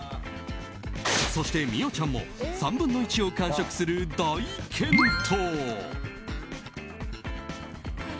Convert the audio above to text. そして、美桜ちゃんも３分の１を完食する大健闘。